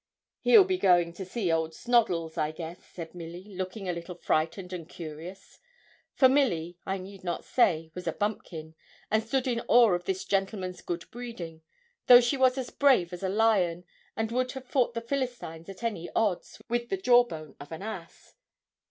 'He'll be goin' to see old Snoddles, I guess,' said Milly, looking a little frightened and curious; for Milly, I need not say, was a bumpkin, and stood in awe of this gentleman's good breeding, though she was as brave as a lion, and would have fought the Philistines at any odds, with the jawbone of an ass.